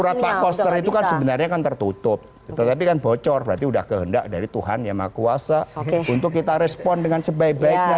surat pak koster itu kan sebenarnya kan tertutup tetapi kan bocor berarti sudah kehendak dari tuhan yang maha kuasa untuk kita respon dengan sebaik baiknya